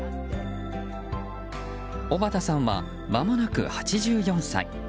尾畠さんは、まもなく８４歳。